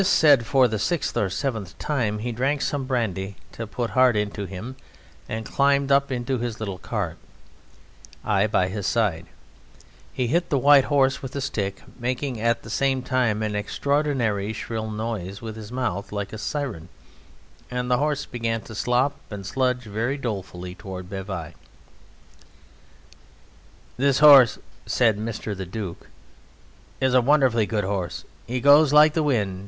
This said for the sixth or seventh time, he drank some brandy to put heart into him and climbed up into his little cart, I by his side. He hit the white horse with a stick, making at the same time an extraordinary shrill noise with his mouth, like a siren, and the horse began to slop and sludge very dolefully towards Bavai. "This horse," said Mr. The Duke, "is a wonderfully good horse. He goes like the wind.